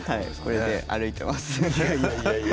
これで歩いていきます。